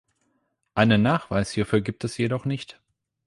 Einen Nachweis hierfür gibt es jedoch nicht.